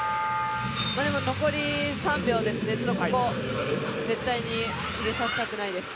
残り３秒、ここ絶対に入れさせたくないです。